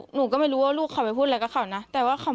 หนูก็ไม่รู้ว่าลูกเขาไปพูดอะไรกับเขานะแต่ว่าเขา